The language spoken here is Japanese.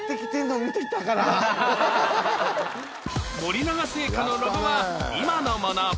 森永製菓のロゴは今のもの